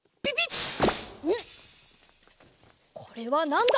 これはなんだ？